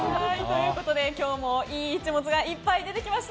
今日もいいイチモツがいっぱい出てきました。